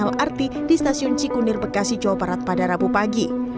lrt di stasiun cikunir bekasi jawa barat pada rabu pagi